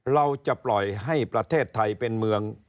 เราจะปล่อยให้ประเทศไทยเป็นเมือง